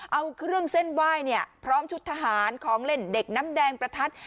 เอาเครื่องเส้นไหว้เนี่ยพร้อมชุดทหารของเล่นเด็กน้ำแดงประทัด